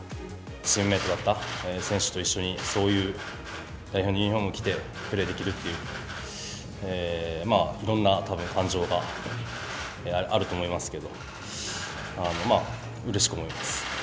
チームメートだった選手と一緒に、そういう、代表のユニホーム着てプレーできるっていう、いろんな感情があると思いますけど、うれしく思います。